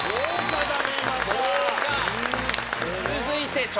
続いて。